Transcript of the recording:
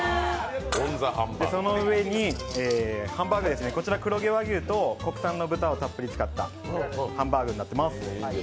その上にハンバーグ黒毛和牛と国産の豚をたっぷり使ったハンバーグになってます。